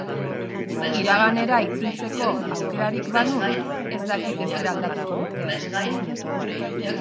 Iraganera itzultzeko aukerarik banu, ez dakit ezer aldatuko nukeen.